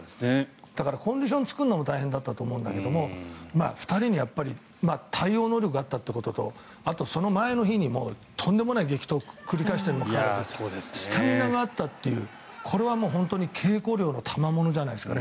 だから、コンディションを作るのも大変だったと思うんだけど２人の対応能力があったということとその前の日にとんでもない激闘を繰り返しているのにスタミナがあったというこれは本当に稽古量のたまものじゃないですかね。